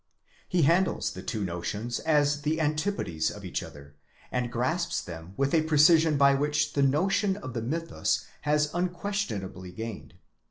He handles the two notions as the antipodes of each other; and grasps them with a precision by which the notion of the mythus has unquestionably gained.